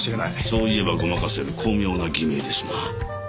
そう言えばごまかせる巧妙な偽名ですな。